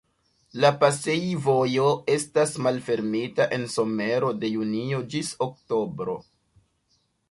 La pasejvojo estas malfermita en somero de junio ĝis oktobro.